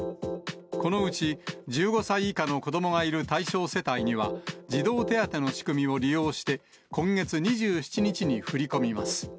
このうち、１５歳以下の子どもがいる対象世帯には、児童手当の仕組みを利用して、今月２７日に振り込みます。